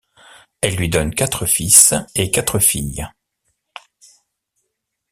Elle lui donne quatre fils et quatre filles.